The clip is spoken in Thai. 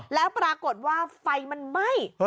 แล้วปรากฏว่าไฟมันไหม้